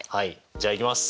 じゃあいきます。